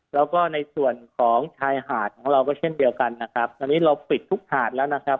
แล้วก็ในส่วนของชายหาดของเราก็เช่นเดียวกันนะครับตอนนี้เราปิดทุกหาดแล้วนะครับ